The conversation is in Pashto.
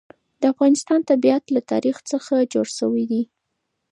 د افغانستان طبیعت له تاریخ څخه جوړ شوی دی.